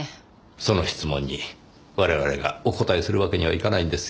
その質問に我々がお答えするわけにはいかないんですよ。